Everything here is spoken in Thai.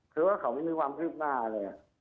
คือว่าเขาไม่มีความคืบหน้าอะไร